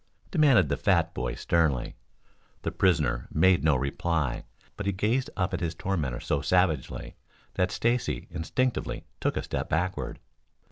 demanded the fat boy sternly. The prisoner made no reply, but he gazed up at his tormentor so savagely that Stacy instinctively took a step backward.